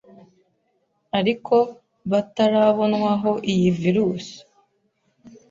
ariko batarabonwaho iyi virus